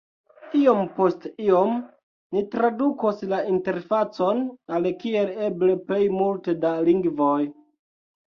Iom post iom, ni tradukos la interfacon al kiel eble plej multe da lingvoj.